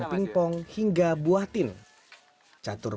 dipijaskan dan menapah producing water pot